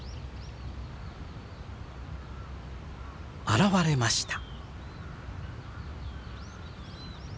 現れました。